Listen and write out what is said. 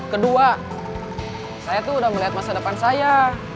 kedua saya tuh udah melihat masa depan saya